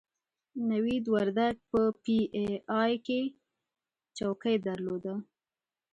نوید وردګ په پي ای اې کې چوکۍ درلوده.